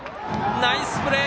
ナイスプレー！